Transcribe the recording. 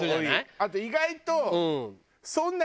あと意外と。